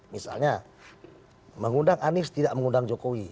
misalnya mengundang anies tidak mengundang jokowi